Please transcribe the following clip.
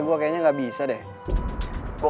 sebenernya sih gue ada ide lain sih